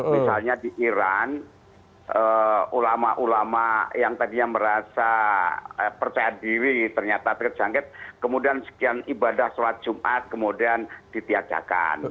misalnya di iran ulama ulama yang tadinya merasa percaya diri ternyata terjangkit kemudian sekian ibadah sholat jumat kemudian ditiadakan